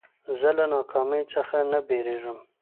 زه له ناکامۍ څخه نه بېرېږم.